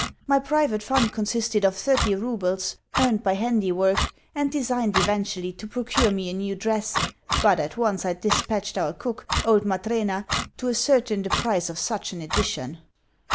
My private fund consisted of thirty roubles, earned by handiwork, and designed eventually to procure me a new dress, but at once I dispatched our cook, old Matrena, to ascertain the price of such an edition.